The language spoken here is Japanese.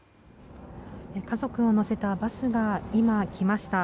家族を乗せたバスが今、来ました。